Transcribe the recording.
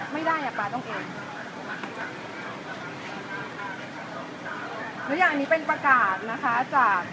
หรืออย่างนี้เป็นประกาศนะคะ